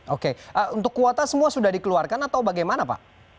oke untuk kuota semua sudah dikeluarkan atau bagaimana pak